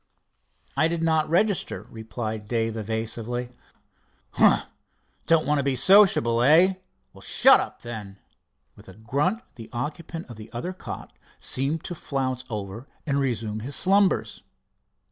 "I did not register," replied Dave evasively. "Humph! don't want to be sociable, eh? Well, shut up, then." With a grunt the occupant of the other cot seemed to flounce over and resume his slumbers.